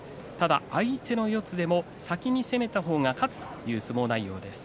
相手の四つでも先に攻めた方が勝つという相撲内容です。